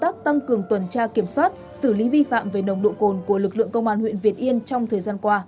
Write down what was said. các cơ sở cường tuần tra kiểm soát xử lý vi phạm về nồng độ cồn của lực lượng công an huyện việt yên trong thời gian qua